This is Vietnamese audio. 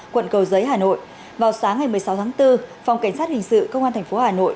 quận cầu giấy hà nội vào sáng ngày một mươi sáu tháng bốn phòng cảnh sát hình sự công an tp hà nội